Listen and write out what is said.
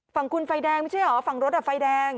ฝั่งคุณไฟแดงไม่ใช่เหรอฝั่งรถอ่ะไฟแดง